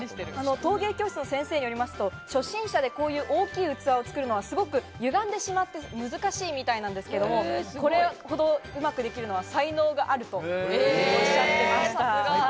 陶芸教室の先生によりますと、初心者でこういう大きい器を作るのは、すごく歪んでしまって難しいみたいなんですけど、これほどうまくできるのは才能があるとおっしゃっていました。